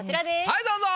はいどうぞ。